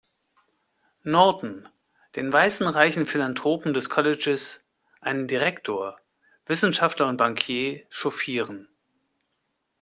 Norton, den weißen reichen Philanthropen des Colleges, einen Direktor, Wissenschaftler und Bankier, chauffieren.